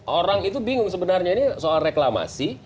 orang itu bingung sebenarnya ini soal reklamasi